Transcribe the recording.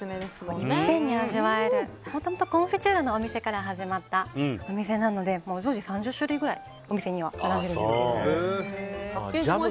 いっぺんに味わえるもともとコンフィチュールのお店から始まったので常時３０種類ぐらいお店には並んでるんですけども。